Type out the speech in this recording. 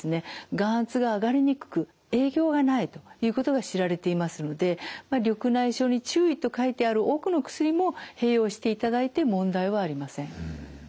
眼圧が上がりにくく影響がないということが知られていますので「緑内障に注意」と書いてある多くの薬も併用していただいて問題はありません。